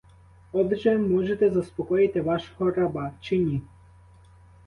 Отже, можете заспокоїти вашого раба чи ні!